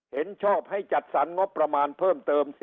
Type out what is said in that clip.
เห็นชอบให้จัดสรรงบประมาณเพิ่มเติม